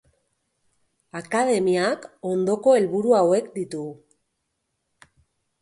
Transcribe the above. Akademiak ondoko helburu hauek ditu.